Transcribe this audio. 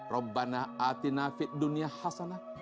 rabbana atina fit dunia hasanah